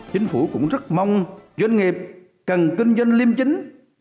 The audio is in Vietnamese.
chính phủ cũng rất mong doanh nghiệp cần kinh doanh liêm chính